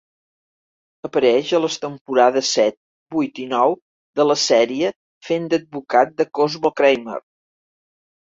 Apareix a les temporades set, vuit i nou de la sèrie fent d'advocat de Cosmo Kramer.